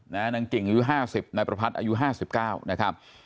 นางกิ่งอายุห้าสิบนายประพัดอายุห้าสิบเก้านะครับ